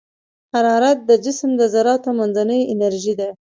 حرارت د جسم د ذراتو منځنۍ انرژي ده.